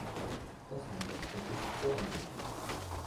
Das haben Werkzeugkisten so an sich.